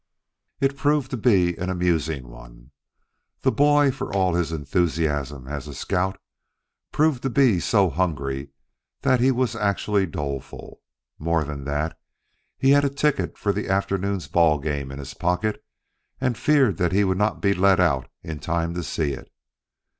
It proved to be an amusing one. The boy, for all his enthusiasm as a scout, proved to be so hungry that he was actually doleful. More than that, he had a ticket for that afternoon's ball game in his pocket and feared that he would not be let out in time to see it.